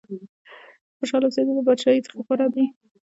خوشاله اوسېدل د بادشاهۍ څخه غوره دي.